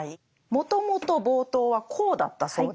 もともと冒頭はこうだったそうです。